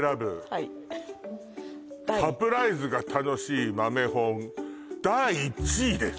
はいサプライズが楽しい豆本第１位です